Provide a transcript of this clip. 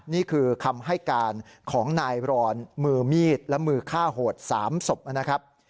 นี่คือคำให้การของนายรอนมือมีดและมือฆ่าโหด๓ศพนะครับ